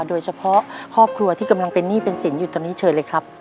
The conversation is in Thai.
โดยเฉพาะครอบครัวที่กำลังเป็นหนี้เป็นสินอยู่ตอนนี้เชิญเลยครับ